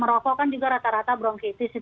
merokok kan juga rata rata bronkritis